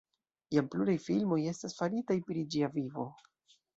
Jam pluraj filmoj estas faritaj pri ĝia vivo.